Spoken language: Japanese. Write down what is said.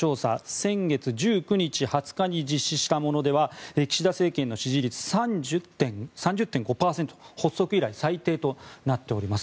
先月１９日、２０日に実施したものでは岸田政権の支持率３０．５％発足以来最低となっております。